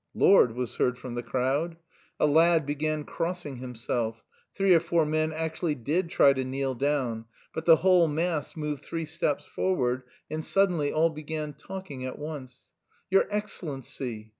"Lord!" was heard from the crowd. A lad began crossing himself; three or four men actually did try to kneel down, but the whole mass moved three steps forward, and suddenly all began talking at once: "Your Excellency...